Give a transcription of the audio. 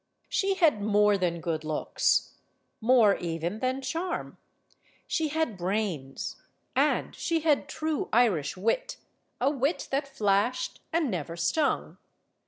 She had more than good looks; more, even, than charm. She had brains, and she had true Irish wit; a wit that flashed and never stung.